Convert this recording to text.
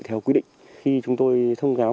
theo quy định khi chúng tôi thông gáo